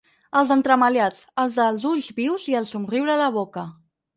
Els entremaliats, els dels ulls vius i el somriure a la boca.